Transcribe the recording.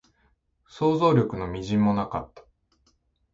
想像力の微塵もなかった